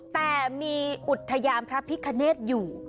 แต่มีอุทยานพระพิคเนตอยู่